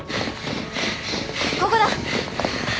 ここだ。